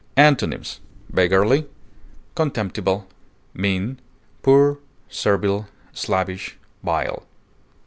Antonyms: beggarly, contemptible, mean, poor, servile, slavish, vile.